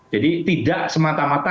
jadi tidak semata mata